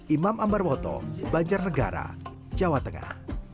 imam ambarwoto banjarnegara jawa tengah